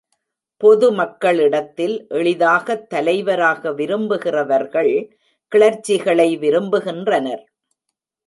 பொதுமக்களிடத்தில் எளிதாகத் தலைவராக விரும்புகிறவர்கள் கிளர்ச்சிகளை விரும்புகின்றனர்.